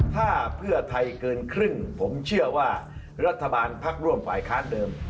ถ้าเพื่อไทยเกินครึ่งผมเชื่อว่ารัฐบาลพักร่วมฝ่ายค้านเดิม